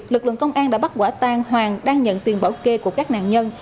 lực lượng công an đã bắt quả tan hoàng đang nhận tiền bỏ ghê của các nạn nhân